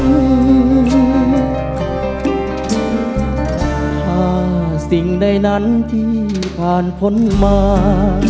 ถ้าสิ่งใดนั้นที่ผ่านพ้นมา